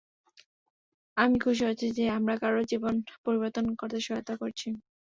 আমরা খুশি হয়েছি যে আমরা কারো জীবন পরিবর্তন করতে সহায়তা করছি।